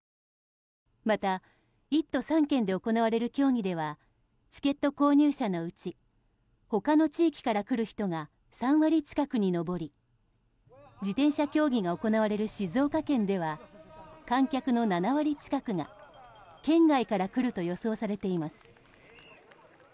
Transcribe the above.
また１都３県で行われる競技ではチケット購入者のうち他の地域から来る人が３割近くに上り自転車競技が行われる静岡県では観客の７割近くが県外から来ると予想されています。